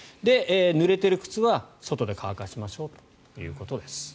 ぬれている靴は、外で乾かしましょうということです。